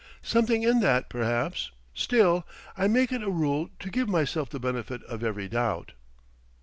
"Something in that, perhaps. Still, I make it a rule to give myself the benefit of every doubt."